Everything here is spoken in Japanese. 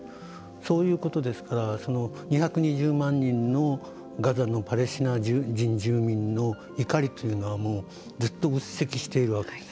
そういうことですから２２０万人のガザのパレスチナ人住民の怒りというのはもうずっと鬱積しているわけです。